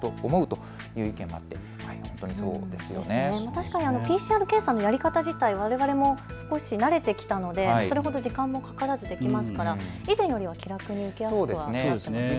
確かにＰＣＲ検査のやり方自体にわれわれも慣れてきたのでそれほど時間もかからずできますから以前より気楽に受けやすくなりましたよね。